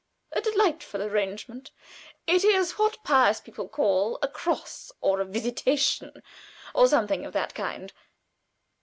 A delightful arrangement. It is what pious people call a 'cross,' or a 'visitation,' or something of that kind.